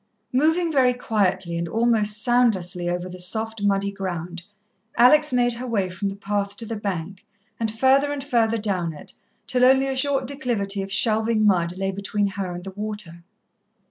Moving very quietly and almost soundlessly over the soft muddy ground, Alex made her way from the path to the bank, and further and further down it till only a short declivity of shelving mud lay between her and the water.